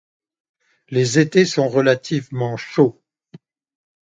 Les étés sont relativement chauds.